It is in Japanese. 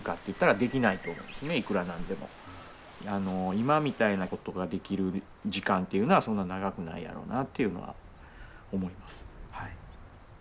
今みたいなことができる時間っていうのはそんな長くないやろなっていうのは思います。